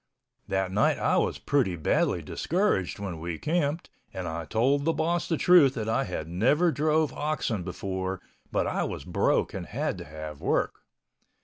That night I was pretty badly discouraged when we camped and I told the boss the truth that I had never drove oxen before but I was broke and had to have work.